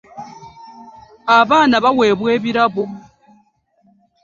Abaana bawebwa ebirabo.